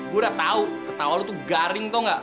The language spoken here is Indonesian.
gue udah tau ketawa lo tuh garing tau gak